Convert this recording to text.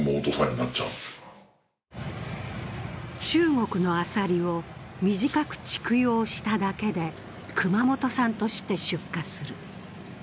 中国のアサリを短く蓄養しただけで熊本産として出荷する。